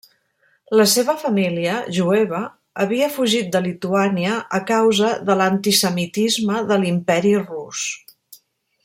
La seva família, jueva, havia fugit de Lituània a causa de l'antisemitisme de l'Imperi Rus.